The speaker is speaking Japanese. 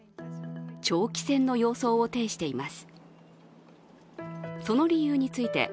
長期戦の様相を呈しています。